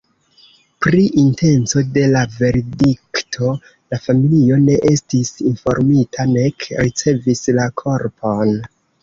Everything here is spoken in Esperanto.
Pri intenco de la verdikto la familio ne estis informita, nek ricevis la korpon.